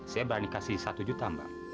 yaudah satu juta